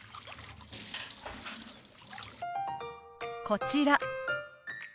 こちら。